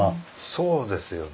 そうですよね。